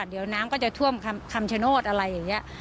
เดี๋ยวน้ำก็จะท่วมคำชโนธอะไรอย่างนี้